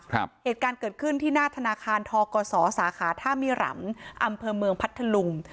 เหตุการณ์เกิดขึ้นที่หน้าธนาคารทกศสาขาท่ามิรำอำเภอเมืองพัทธลุง